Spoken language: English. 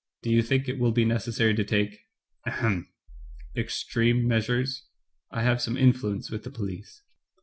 Do you think it will be necessary to take — ahem — extreme measures? I have some influence with the police.